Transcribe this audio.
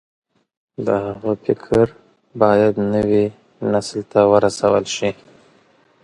د هغه فکر بايد نوي نسل ته ورسول شي.